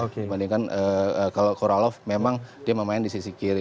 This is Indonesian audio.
dibandingkan kalau koralov memang dia memainkan di sisi kiri